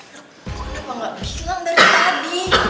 lo kenapa gak bilang dari tadi